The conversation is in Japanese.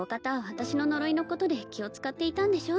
私の呪いのことで気を使っていたんでしょ？